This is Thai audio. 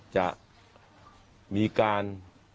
จะมีการ